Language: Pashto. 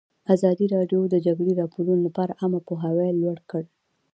ازادي راډیو د د جګړې راپورونه لپاره عامه پوهاوي لوړ کړی.